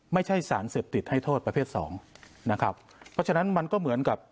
ไม่ใช่สารเสพติดให้โทษประเภทสองนะครับเพราะฉะนั้นมันก็เหมือนกับ